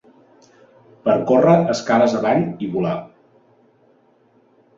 Per córrer escales avall, i volar